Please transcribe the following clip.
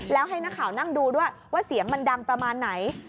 แล้วให้นักข่าวนั่งดูด้วยว่าเสียงมันดังประมาณไหน